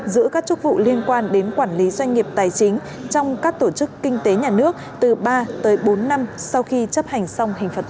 giữ các chức vụ liên quan đến quản lý doanh nghiệp tài chính trong các tổ chức kinh tế nhà nước từ ba tới bốn năm sau khi chấp hành xong hình phạt tù